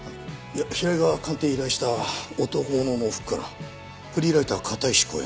いや平井が鑑定依頼した男物の服からフリーライター片石